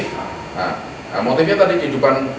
nah motifnya tadi kehidupan